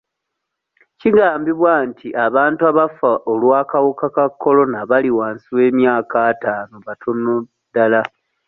Kigambibwa nti abantu abafa olw'akawuka ka Corona abali wansi w'emyaka ataano batono ddala.